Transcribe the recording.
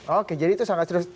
oke jadi itu sangat serius